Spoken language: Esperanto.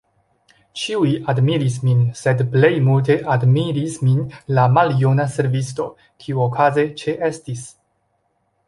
Ĉiuj admiris min, sed plej multe admiris min la maljuna servisto, kiu okaze ĉeestis.